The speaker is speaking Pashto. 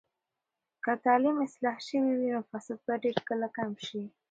که تعلیم اصلاح شوي وي، نو فساد به ډیر کله کم شي.